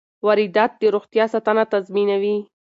واردات د روغتیا ساتنه تضمینوي.